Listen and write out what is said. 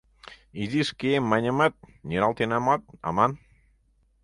— Изиш кием маньымат, нералтенамат аман.